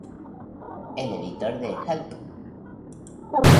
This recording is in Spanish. El editor de "Help!